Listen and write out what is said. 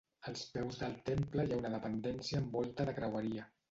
Als peus del temple hi ha una dependència amb volta de creueria.